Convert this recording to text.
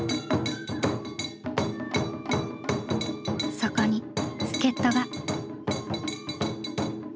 そこに助っ人が。